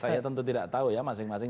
saya tentu tidak tahu ya masing masing